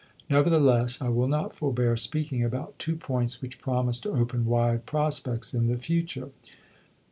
Nevertheless, I will not forbear speaking about two points which promise to open wide prospects in the future.